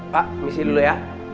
pak misi dulu ya